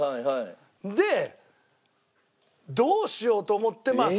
でどうしようと思ってまあ